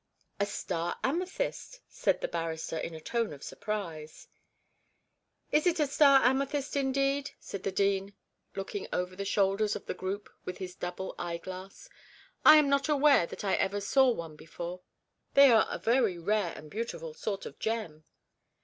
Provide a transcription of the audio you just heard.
'A star amethyst!' said the barrister in a tone of surprise. 'Is it a star amethyst indeed?' said the dean, looking over the shoulders of the group with his double eye glass. 'I am not aware that I ever saw one before; they are a very rare and beautiful sort of gem.'